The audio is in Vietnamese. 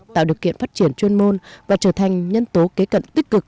tạo điều kiện phát triển chuyên môn và trở thành nhân tố kế cận tích cực